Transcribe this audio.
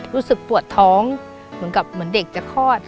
รู้สึกปวดท้องเหมือนเด็กจะคลอด